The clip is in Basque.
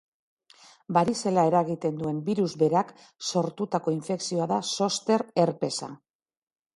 Barizela eragiten duen birus berak sortutako infekzioa da zoster herpesa.